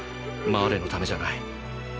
マーレのためじゃない。